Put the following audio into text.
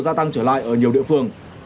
gia tăng trở lại ở nhiều địa phương